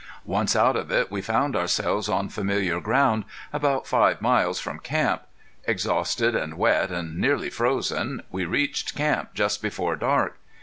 Once out of it we found ourselves on familiar ground, about five miles from camp. Exhausted and wet and nearly frozen we reached camp just before dark.